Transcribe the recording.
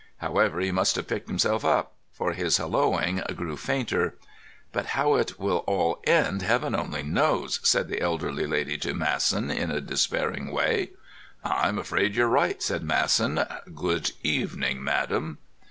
However, he must have picked himself up, for his halloaing grew fainter. "But how it will all end, Heaven only knows," said the elderly lady to Masson, in a despairing way. "I'm afraid you're right," said Masson. "Good evening, madam."